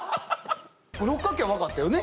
六角形は分かったよね